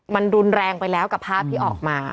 มันรุนแรงไปแล้วกับภาพที่ออกมา